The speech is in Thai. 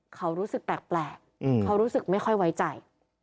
เขารู้สึกแปลกเขารู้สึกไม่ค่อยไว้ใจ